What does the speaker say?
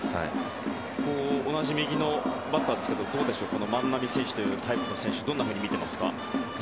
同じ右のバッターですが万波選手というタイプの選手はどんなふうに見ていますか？